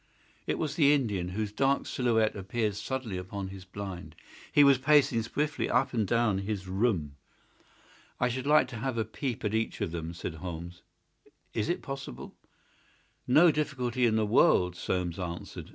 It was the Indian, whose dark silhouette appeared suddenly upon his blind. He was pacing swiftly up and down his room. "I should like to have a peep at each of them," said Holmes. "Is it possible?" "No difficulty in the world," Soames answered.